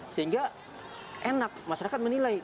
sehingga enak masyarakat menilai